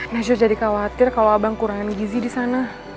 nasjad jadi khawatir kalau abang kurangin gizi di sana